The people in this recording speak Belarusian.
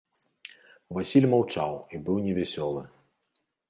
Васіль маўчаў і быў невясёлы.